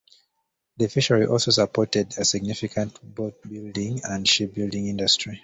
The fishery also supported a significant boatbuilding and shipbuilding industry.